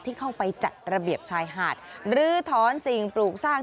ที่เข้าไปจัดระเบียบชายหาดลื้อถอนสิ่งปลูกสร้าง